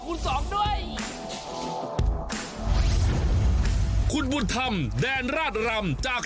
ประโยมมากสูงมาก